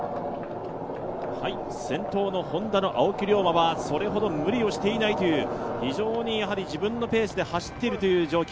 先頭のＨｏｎｄａの青木涼真はそれほど無理をしていないという非常に自分のペースで走っている状況。